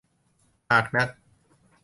หากนัก